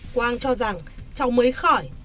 quang cho rằng cháu mới khỏi